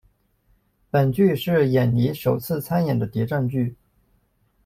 本剧是闫妮首次参演的谍战剧。